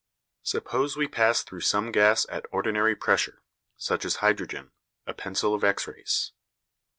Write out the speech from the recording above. Suppose we pass through some gas at ordinary pressure, such as hydrogen, a pencil of X rays.